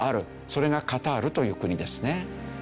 それがカタールという国ですね。